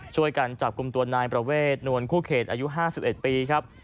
ช่วยกันจับกลุ่มตัวนายประเวทนวลคู่เขตอายุ๕๑ปีครับ